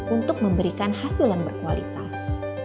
untuk memberikan hasil yang berkualitas